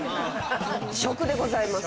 食でございます。